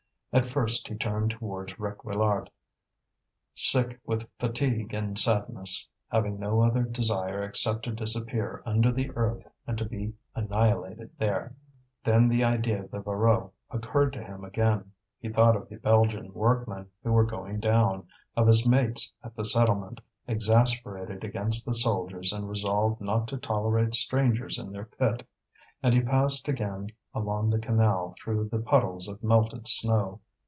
At first he turned towards Réquillart, sick with fatigue and sadness, having no other desire except to disappear under the earth and to be annihilated there. Then the idea of the Voreux occurred to him again. He thought of the Belgian workmen who were going down, of his mates at the settlement, exasperated against the soldiers and resolved not to tolerate strangers in their pit. And he passed again along the canal through the puddles of melted snow.